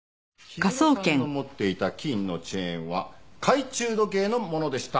氷室さんの持っていた金のチェーンは懐中時計のものでした。